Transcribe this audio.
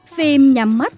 phim nhắm mắt